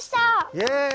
イエイ！